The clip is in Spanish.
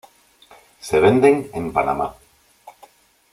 Se venden en Panamá.